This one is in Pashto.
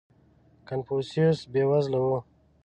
• کنفوسیوس بېوزله و.